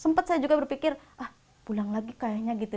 sempat saya juga berpikir ah pulang lagi kayaknya gitu